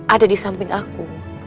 ada di samping aku